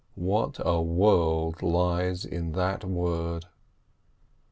What a world lies in that word.